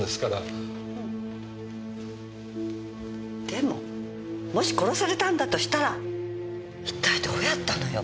でももし殺されたんだとしたら一体どうやったのよ？